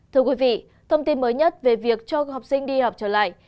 thưa quý vị thông tin mới nhất về việc cho học sinh đi học trở lại